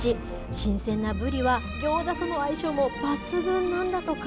新鮮なブリはギョーザとの相性も抜群なんだとか。